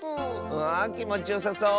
わあきもちよさそう。